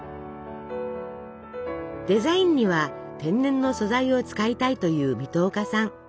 デザインには天然の素材を使いたいという水戸岡さん。